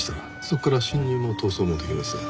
そこから侵入も逃走もできます。